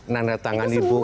nandatangan di buku